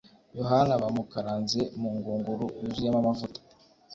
yohana bamukaranze mu ngunguru yuzuyemo amavuta